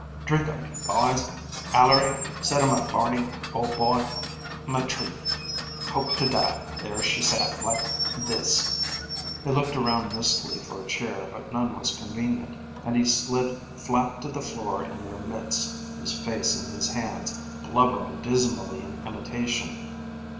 drink on me, b'ys, aller y' set 'm up, Barney ol' b'y, m' treat,... hope t' die, ther' she sat, like this " He looked around mistily for a chair, but none was convenient, and he slid flat to the floor in their midst, his face in his hands, blubbering dismally in imitation....